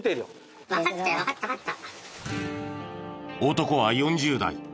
男は４０代。